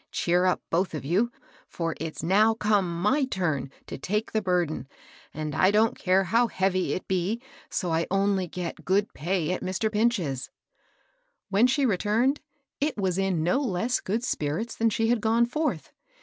Cheer up, both of you, for it's now come mi/ turn to take the bur den, and I don't care how heavy it be, so I only get good pay at Mr. Pinch's." When she returned, it was in no less good spirits than she had gone forth.